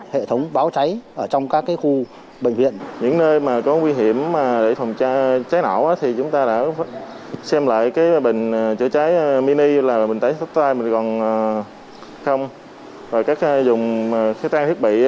mình còn không rồi các dùng thiết bị chữa cháy thì mình để cách xa